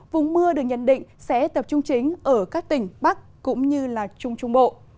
vùng mưa được nhận định sẽ tập trung chính ở các tỉnh bắc cũng như trung trung bộ